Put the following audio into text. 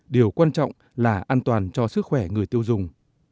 điều quan trọng là an toàn cho sức khỏe người tiêu dùng